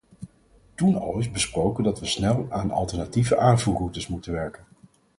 Toen al is besproken dat we snel aan alternatieve aanvoerroutes moeten werken.